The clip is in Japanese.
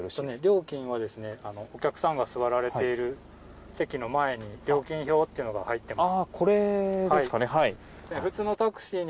料金はお客さんが座られている席の前に料金表というのが入っています。